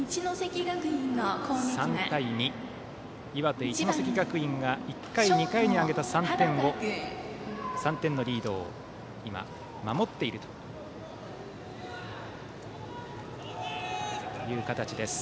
３対２、岩手・一関学院が１回、２回に挙げた３点のリードを今、守っているという形です。